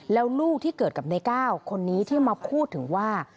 แล้วลูกที่เกิดกับในก้าวคนนี้ที่มาพูดถึงว่า